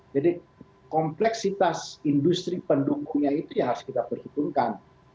jadi kompleksitas industri pendukungnya itu yang harus kita perhitungkan